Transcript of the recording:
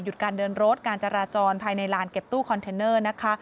การเดินรถการจราจรภายในลานเก็บตู้คอนเทนเนอร์นะคะ